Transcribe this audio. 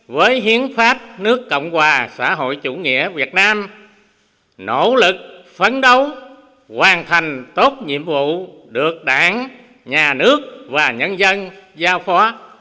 với hiến pháp nước cộng hòa xã hội chủ nghĩa việt nam nỗ lực phấn đấu hoàn thành tốt nhiệm vụ được đảng nhà nước và nhân dân giao phó